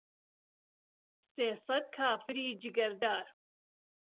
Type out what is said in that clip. سێ سەت کافری جگەردار